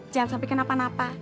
jangan sampai kenapa napa